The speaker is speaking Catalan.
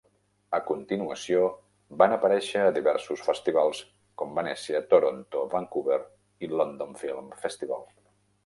A continuació, van aparèixer a diversos festivals com Venècia, Toronto, Vancouver i London Film Festival.